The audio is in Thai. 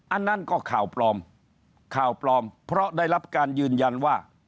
อันนั้นก็ข่าวปลอมข่าวปลอมเพราะได้รับการยืนยันว่า